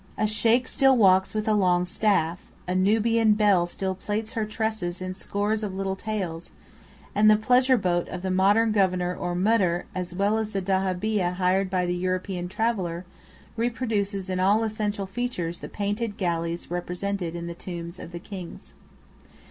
A Sheykh still walks with a long staff; a Nubian belle still plaits her tresses in scores of little tails; and the pleasure boat of the modern Governor or Mudîr, as well as the dahabeeyah hired by the European traveller, reproduces in all essential features the painted galleys represented in the tombs of the kings.